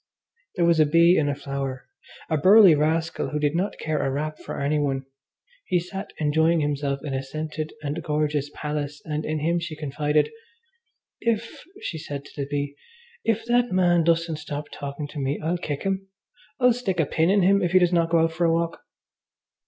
There was a bee in a flower, a burly rascal who did not care a rap for any one: he sat enjoying himself in a scented and gorgeous palace, and in him she confided: "If," said she to the bee, "if that man doesn't stop talking to me I'll kick him. I'll stick a pin in him if he does not go out for a walk."